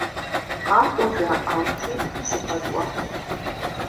Къакӏуэ жаӏати, сыкъэкӏуащ.